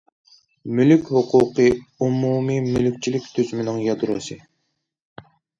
مۈلۈك ھوقۇقى ئومۇمىي مۈلۈكچىلىك تۈزۈمىنىڭ يادروسى.